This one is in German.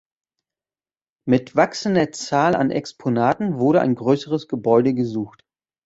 Mit wachsender Zahl an Exponaten wurde ein größeres Gebäude gesucht.